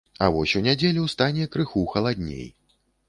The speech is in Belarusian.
А вось у нядзелю стане крыху халадней.